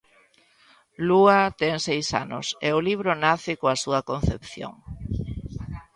Lúa ten seis anos e o libro nace coa súa concepción.